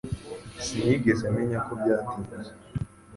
Sinigeze menya ko byatinze